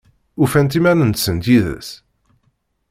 Ufant iman-nsent yid-s?